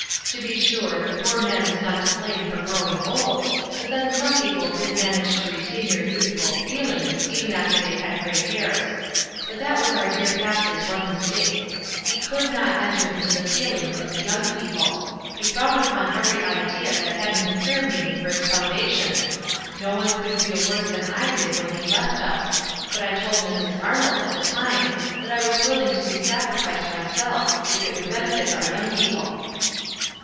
To be sure, the poor man was not to blame for growing old, but then some people did manage to retain their 3'outhful feel ings even after they had gray hairs ; but that was our dear pastor's one mistake. He could not enter into the feelings of the young people WISE AND OTHERWISE. 225 — he frowned upon every idea that hadn't a prayer meeting for its foundation. No one could feel worse than I did when he left us ; but I told Mrs. Arnold at the time that I was willing to be sacrificed myself if it would ben eiit our young people."